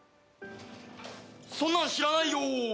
そんなの知らないよ！